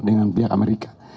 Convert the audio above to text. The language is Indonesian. dengan pihak amerika